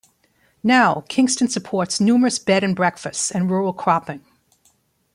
Now, Kingston supports numerous bed and breakfasts and rural cropping.